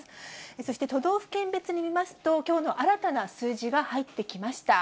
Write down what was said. そして都道府県別に見ますと、きょうの新たな数字が入ってきました。